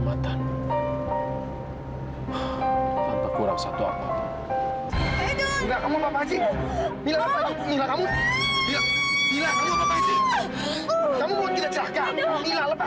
saudara aku sakit aku benar benar sakit do